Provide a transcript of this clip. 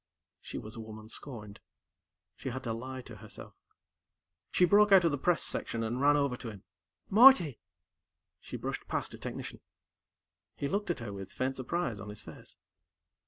She was a woman scorned. She had to lie to herself. She broke out of the press section and ran over to him. "Marty!" She brushed past a technician. He looked at her with faint surprise on his face.